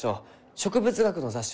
植物学の雑誌？